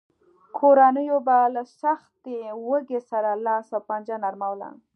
کورنیو به له سختې لوږې سره لاس و پنجه نرموله.